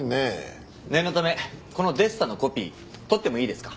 念のためこのデッサンのコピー取ってもいいですか？